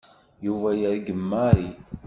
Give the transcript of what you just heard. Yuba yergem Mary.